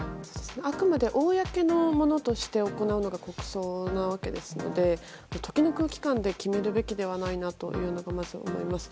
あくまで公のものとして行うのが国葬なわけですのでとても、時の空気感で決めるべきものではないとまず思います。